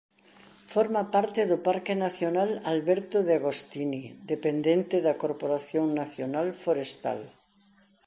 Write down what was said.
Forma parte do Parque nacional Alberto de Agostini dependente da Corporación Nacional Forestal.